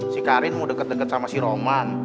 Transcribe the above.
si karin muda kedeket sama si roman